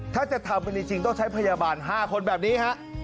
ถ้าจะทำกันจริงต้องใช้พยาบาล๕คนแบบนี้ฮะ